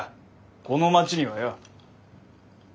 この町にはよ。